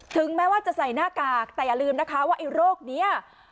ถึงแม้ว่าจะใส่หน้ากากแต่อย่าลืมนะคะว่าไอ้โรคนี้